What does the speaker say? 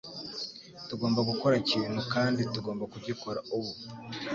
Tugomba gukora ikintu kandi tugomba kugikora ubu.